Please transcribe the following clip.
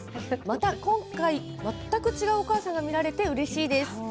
また今回、全く違うお母さんが見られてうれしいです。